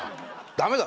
ダメだ！